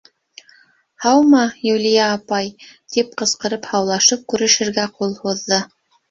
— Һаумы, Юлия апай, — тип ҡысҡырып һаулашып, күрешергә ҡул һуҙҙы.